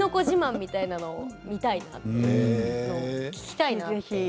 自慢みたいなものを見たいなと聞きたいなと。